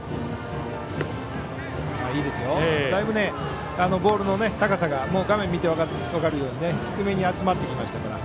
だいぶボールの高さが画面見て分かるように低めに集まってきましたから。